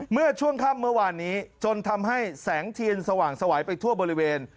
เมื่อช่วงค่ำเมื่อวานนี้จนทำให้แสงเทียนสว่างสวัยไปทั่วบริเวณ